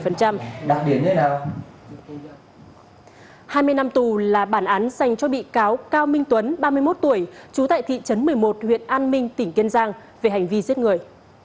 hai mươi năm tù là bản án dành cho bị cáo cao minh tuấn ba mươi một tuổi trú tại thị trấn một mươi một huyện an minh tỉnh kiên giang về hành vi giết người